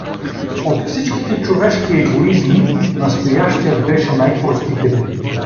От всичките човешки егоизми настоящият беше най-простителен.